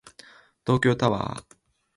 東京タワー